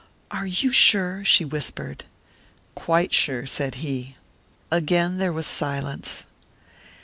"Are you sure?" she whispered. "Quite sure," said he. Again there was silence.